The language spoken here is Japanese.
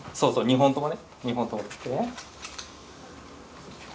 ２本とも。